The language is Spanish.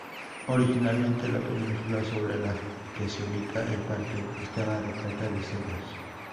Originalmente, la península sobre la que se ubica el parque estaba repleta de cedros.